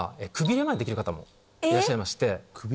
までできる方もいらっしゃいまして。